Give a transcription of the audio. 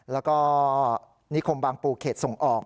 แล้วก็นิคมบางปูเขตส่งออก